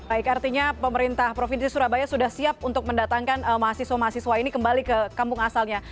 baik artinya pemerintah provinsi surabaya sudah siap untuk mendatangkan mahasiswa mahasiswa ini kembali ke kampung asalnya